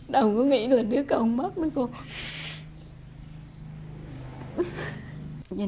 đâu có nghĩ là đứa con mất nữa cậu